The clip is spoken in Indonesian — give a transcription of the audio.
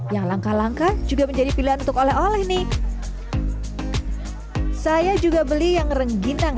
yang langka langka juga menjadi pilihan untuk oleh oleh nih saya juga beli yang renggit dan